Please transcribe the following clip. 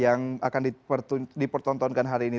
yang akan dipertontonkan hari ini